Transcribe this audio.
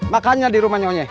makannya di rumah nyonya